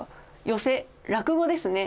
寄席落語ですね。